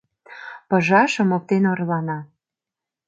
Пыжашым оптен орлана.